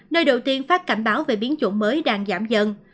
nơi đầu tiên phát cảnh báo về biến chủng mới đang giảm dần